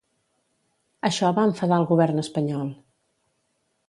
Això va enfadar el Govern espanyol.